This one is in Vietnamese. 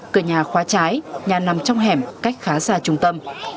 cửa nhà khóa trái nhà nằm trong hẻm cách khá xa trung tâm